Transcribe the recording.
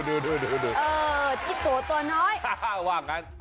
ดีตัวตัวน้อย